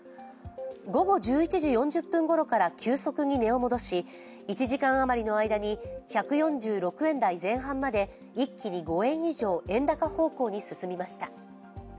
午後１１時４０分ごろから急速に値を戻し１時間余りの間に１４６円台前半まで一気に５円以上円高方向に進みました。